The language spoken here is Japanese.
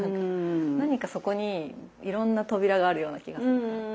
何かそこにいろんな扉があるような気がするから。